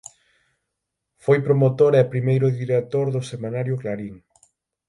Foi promotor e primeiro director do semanario "Clarín".